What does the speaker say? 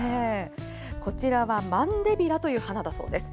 こちらはマンデビラという花だそうです。